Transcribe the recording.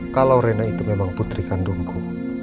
kalau rena itu memang putri kandungku